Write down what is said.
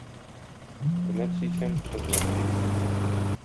Хөрмәт сөйсәң, хезмәт сөй.